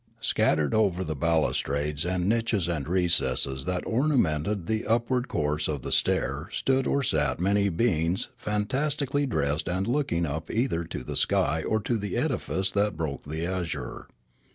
Scat tered over the balustrades and niches and recesses that ornamented the upward course of the stair stood or sat many beings fantastically dressed and looking up either to the sky or to the edifice that broke the azure.